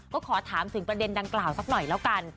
ก็ขอถามถึงประเด็นดังกล่าวสักหน่อยแล้วกัน